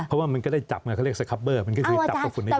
เพราะว่ามันก็ได้จับไงเขาเรียกสคับเบอร์มันก็คือจับฝุ่น